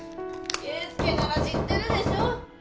慶介なら知ってるでしょ？